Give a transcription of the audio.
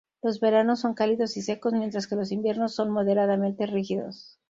Los veranos son cálidos y secos, mientras que los inviernos son moderadamente rígidos.